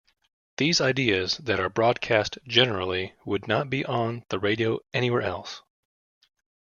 These ideas that are broadcast generally would not be on the radio anywhere else.